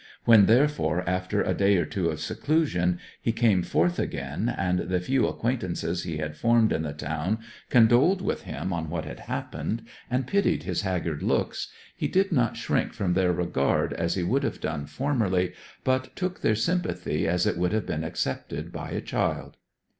When, therefore, after a day or two of seclusion, he came forth again, and the few acquaintances he had formed in the town condoled with him on what had happened, and pitied his haggard looks, he did not shrink from their regard as he would have done formerly, but took their sympathy as it would have been accepted by a child.